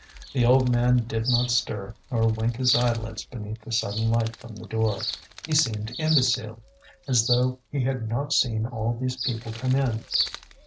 The old man did not stir nor wink his eyelids beneath the sudden light from the door; he seemed imbecile, as though he had not seen all these people come in.